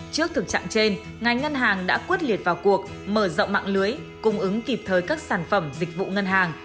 trước thực trạng trên ngành ngân hàng đã quyết liệt vào cuộc mở rộng mạng lưới cung ứng kịp thời các sản phẩm dịch vụ ngân hàng